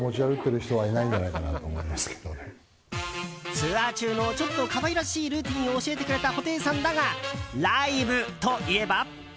ツアー中のちょっと可愛らしいルーティンを教えてくれた布袋さんだがライブといえば。